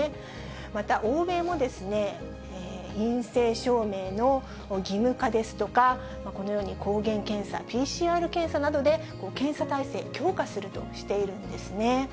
また、欧米も陰性証明の義務化ですとか、このように抗原検査、ＰＣＲ検査などで、検査体制、強化するとしているんですね。